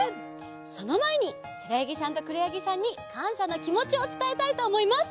そのまえにしろやぎさんとくろやぎさんにかんしゃのきもちをつたえたいとおもいます！